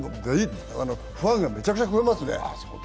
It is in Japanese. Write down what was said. ファンがめちゃくちゃ増えますね。